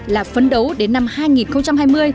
là phấn đấu đến năm hai nghìn hai mươi